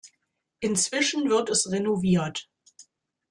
Inzwischen wird es renoviert.